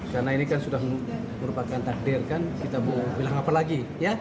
karena ini kan sudah merupakan takdir kan kita mau bilang apa lagi ya